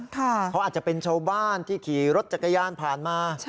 เขาอาจจะเป็นชาวบ้านที่ขี่รถจักรยานผ่านมา